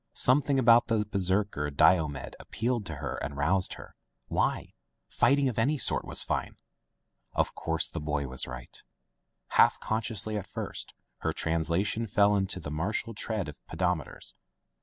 Something about the Berserker Dio med appealed to her and roused her. Why! Fighting of any sort was fine! Of course, the boy was right Half consciously at first, her translation fell into the martial tread of pentameters.